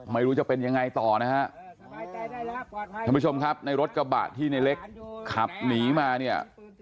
ไม่รู้จะเป็นยังไงต่อนะฮะท่านผู้ชมครับในรถกระบะที่ในเล็กขับหนีมาเนี่ย